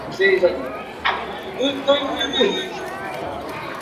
Bera aitortzen dute lidertzat aurre egiten dioten herritarrek.